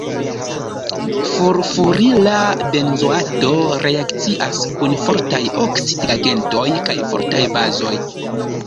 Furfurila benzoato reakcias kun fortaj oksidigagentoj kaj fortaj bazoj.